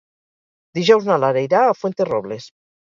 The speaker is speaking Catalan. Dijous na Laura irà a Fuenterrobles.